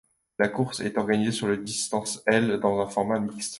La course est organisée sur la distance L dans un format mixte.